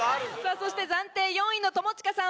そして暫定４位の友近さん。